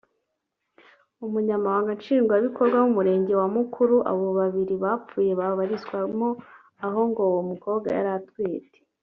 umunyamabanga nshingwabikorwa w’umurenge wa Mukuru abo babiri bapfuye babarizwagamo aho ngo uwo mukobwa yari atwite